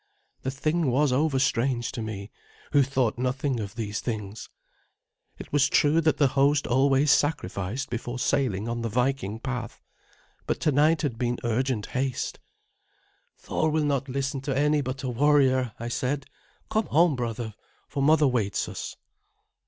The thing was over strange to me, who thought nothing of these things. It was true that the host always sacrificed before sailing on the Viking path, but tonight had been urgent haste. "Thor will not listen to any but a warrior," I said. "Come home, brother, for mother waits us."